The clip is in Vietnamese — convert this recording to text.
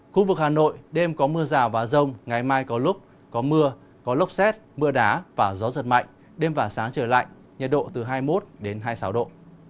khu vực hà nội đêm có mưa rào và rông ngày mai có lúc có mưa có lốc xét mưa đá và gió giật mạnh đêm và sáng trời lạnh nhiệt độ từ hai mươi một hai mươi sáu độ